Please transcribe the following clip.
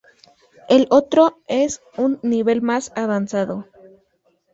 El otro es un nivel más avanzado.